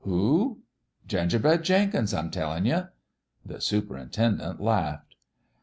" Who ?"" Gingerbread Jenkins, I'm tellin' you 1" The superintendent laughed.